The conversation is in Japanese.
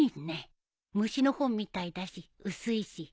虫の本みたいだし薄いし。